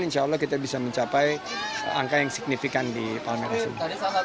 insya allah kita bisa mencapai angka yang signifikan di palmera sumba